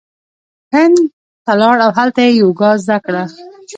هند ته لاړ او هلته یی یوګا زړه کړه